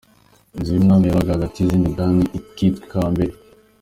Inzu y’umwami yabaga hagati y’izindi ibwami ikitwa Kambere